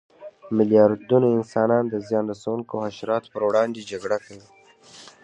میلیاردونه انسانانو د زیان رسونکو حشراتو پر وړاندې جګړه کړې.